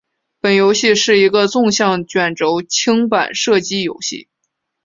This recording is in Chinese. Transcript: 本游戏是一个纵向卷轴清版射击游戏。